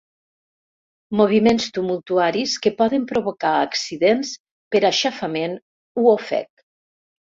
Moviments tumultuaris que poden provocar accidents per aixafament o ofec.